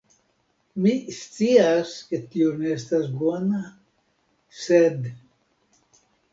Mi scias, ke tio ne estas bona, sed...